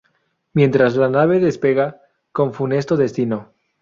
Mientras la nave despega, con funesto destino.